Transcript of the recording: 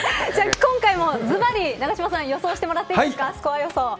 今回もずばり永島さん予想してもらっていいですか。